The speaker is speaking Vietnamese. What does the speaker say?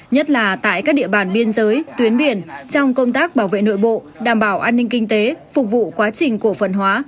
nhất là tại các địa bàn biên giới tuyến biển trong công tác bảo vệ nội bộ đảm bảo an ninh kinh tế phục vụ quá trình cổ phần hóa